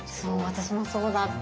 私もそうだった。